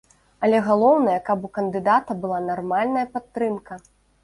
Але галоўнае, каб у кандыдата была нармальная падтрымка.